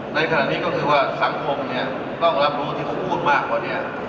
ในขณะนี้ก็คือว่าสังคมเนี่ยต้องรับรู้ที่ผมพูดมากกว่านี้